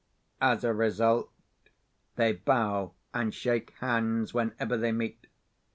As a result, they bow and shake hands whenever they meet....